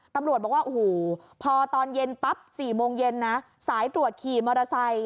ตำรวจบอกว่าโอ้โหพอตอนเย็นปั๊บ๔โมงเย็นนะสายตรวจขี่มอเตอร์ไซค์